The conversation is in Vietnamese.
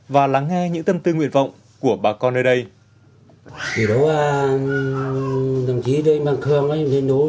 và lắng nghe những tâm tư nguyện vọng của bà con nơi đây